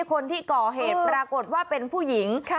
คนที่ก่อเหตุปรากฏว่าเป็นผู้หญิง